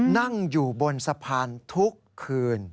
นั่งอยู่บนสะพานทุกคืน